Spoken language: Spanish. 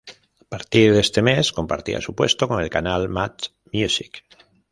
A partir de ese mes, compartía su puesto con el canal Much Music.